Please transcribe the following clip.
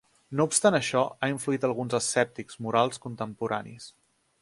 No obstant això, ha influït alguns escèptics morals contemporanis.